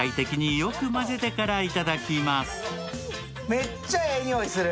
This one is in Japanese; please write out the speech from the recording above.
めっちゃええ匂いする。